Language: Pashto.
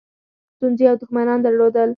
ستونزې او دښمنان درلودل.